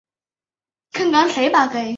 滇木姜子为樟科木姜子属下的一个种。